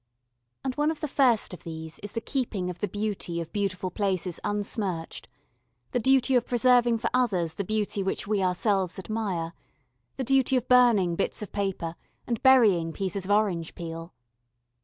And one of the first of these is the keeping of the beauty of beautiful places unsmirched, the duty of preserving for others the beauty which we ourselves admire, the duty of burning bits of paper and burying pieces of orange peel.